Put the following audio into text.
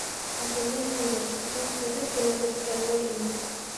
Хәтерләйһеңдер, ул сибек кенә бер кәрлә ине.